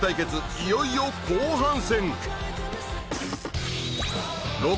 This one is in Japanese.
いよいよ後半戦！